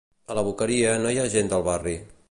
A la Boqueria no hi ha gent del barri.